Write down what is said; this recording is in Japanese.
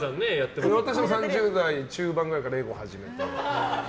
私も３０代中盤くらいからレゴ始めて。